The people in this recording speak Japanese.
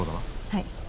はい。